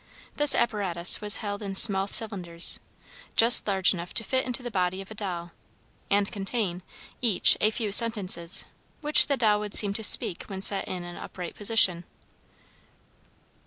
This apparatus was held in small cylinders, just large enough to fit into the body of a doll and contain, each, a few sentences, which the doll would seem to speak when set in an upright position.